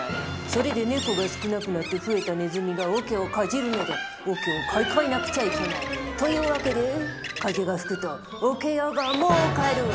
それで猫が少なくなって増えたネズミが桶をかじるので桶を買い替えなくちゃいけない。という訳で風が吹くと桶屋が儲かる。